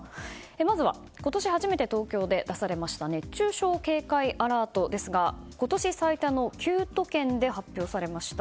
まずは今年初めて東京で出された熱中症警戒アラートですが今年最多の９都県で発表されました。